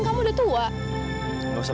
bukan bukan bukan